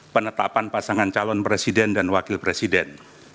penetapan pasangan calon presiden dan wakil presiden